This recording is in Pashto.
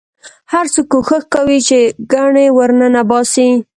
هر څوک کوښښ کاوه چې ګنې ورننه باسي.